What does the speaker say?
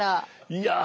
いや！